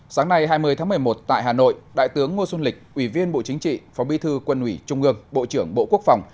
sáng nay hai mươi tháng một mươi một tại hà nội đại tướng ngô xuân lịch ủy viên bộ chính trị phó bi thư quân ủy trung ương bộ trưởng bộ quốc phòng